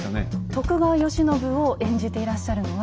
徳川慶喜を演じていらっしゃるのは。